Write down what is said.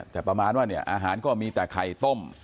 แต่ประมาณว่าเนี่ยอาหารก็มีแต่ไข่ต้ม